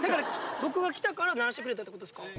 僕が来たから鳴らしてくれたってことっすか？